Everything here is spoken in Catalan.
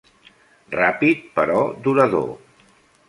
Ràpid, però durador.